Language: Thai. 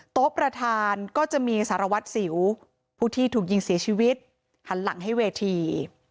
โต๊ะประธานก็จะมีสารวัตรสิวผู้ที่ถูกยิงเสียชีวิตหันหลังให้เวที